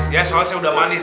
ya soalnya udah manis